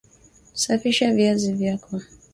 Safisha viazi vyako